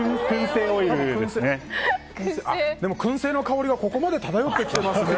燻製の香りがここまで漂ってきてますね。